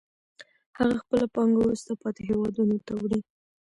هغه خپله پانګه وروسته پاتې هېوادونو ته وړي